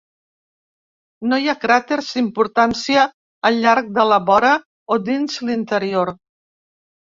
No hi ha cràters d'importància al llarg de la vora o dins l'interior.